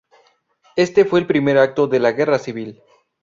Este fue el primer acto de la guerra civil.